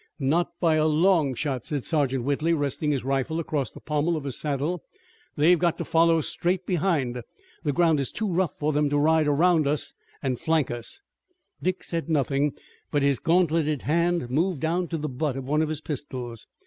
"Not by a long shot," said Sergeant Whitley, resting his rifle across the pommel of his saddle. "They've got to follow straight behind. The ground is too rough for them to ride around an' flank us." Dick said nothing, but his gauntleted hand moved down to the butt of one of his pistols.